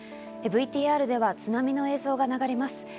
ＶＴＲでは津波の映像が流れます。